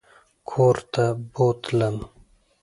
کورته بوتلم.